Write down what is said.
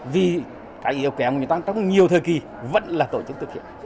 vì cái yêu kẻ của chúng ta trong nhiều thời kỳ vẫn là tổ chức thực hiện